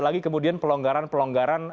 lagi kemudian pelonggaran pelonggaran